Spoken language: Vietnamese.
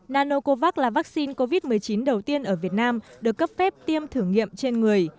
nanocovax là vaccine covid một mươi chín đầu tiên ở việt nam được cấp phép tiêm thử nghiệm trên người